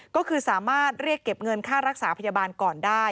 ก็คือสามารถเรียกเก็บเงินค่ารักษาพยาบาลก่อนได้